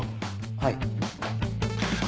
はい。